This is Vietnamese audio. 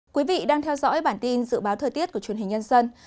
quý vị đang theo dõi bản tin dự báo thời tiết của truyền hình nhân dân